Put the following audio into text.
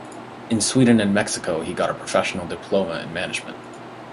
In Sweden and Mexico he got a Professional Diploma in Management.